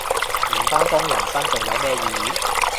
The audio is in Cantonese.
唔返工人生仲有咩意義